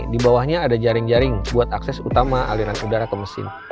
di bawahnya ada jaring jaring buat akses utama aliran udara ke mesin